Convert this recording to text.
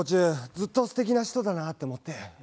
ずっとすてきな人だなって思って。